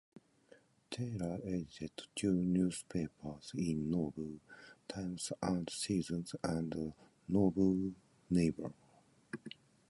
Taylor edited two newspapers in Nauvoo, "Times and Seasons" and the "Nauvoo Neighbor".